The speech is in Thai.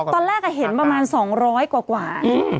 ตอนแรกเห็นประมาณ๒๐๐กว่า